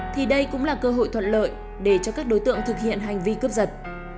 thì đây cũng là cơ hội thuận lợi để cho các đối tượng thực hiện hành vi cướp giật